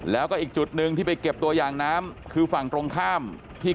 แล้วก็อีกจุดหนึ่งที่ไปเก็บตัวอย่างน้ำคือฝั่งตรงข้ามที่